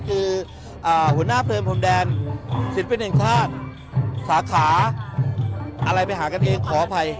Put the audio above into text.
คืออ่าหัวหน้าเพลิงพลมแดงศิษย์เป็นเองชาติสาขาอะไรไปหากันเองขออภัย